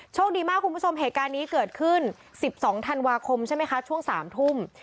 โชคดีมากคุณผู้ชมเหตุการณ์นี้เกิดขึ้น๑๒ธันวาคมใช่ไหมคะช่วง๓ทุ่ม